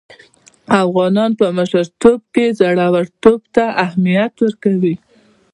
افغانان په مشرتوب کې زړه ورتوب ته اهميت ورکوي.